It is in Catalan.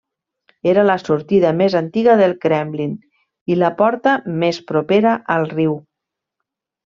Era la sortida més antiga del Kremlin i la porta més propera al riu.